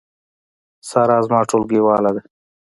سارا زما ټولګیواله ده